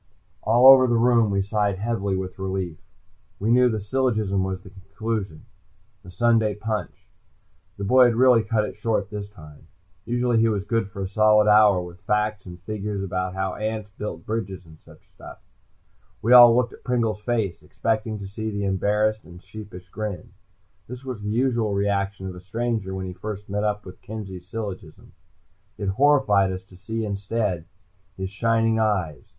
All over the room we sighed heavily with relief. We knew the syllogism was the conclusion, the Sunday punch. The boy had really cut it short this time. Usually he was good for a solid hour with facts and figures about how ants built bridges and such stuff. We all looked at Pringle's face, expecting to see the embarrassed and sheepish grin. This was the usual reaction of a stranger when he first met up with Kenzie's syllogism. It horrified us to see, instead, his shining eyes.